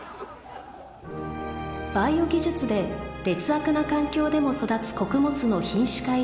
・バイオ技術で劣悪な環境でも育つ穀物の品種改良に尽力